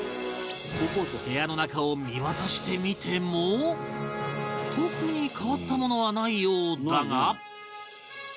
部屋の中を見渡してみても特に変わったものはないようだが